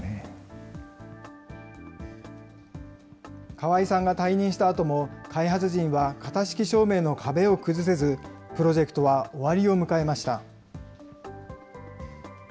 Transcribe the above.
川井さんが退任したあとも、開発陣は型式証明の壁を崩せず、プロジェクトは終わりを迎えました。